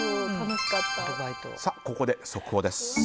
ここで速報です。